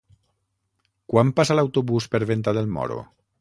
Quan passa l'autobús per Venta del Moro?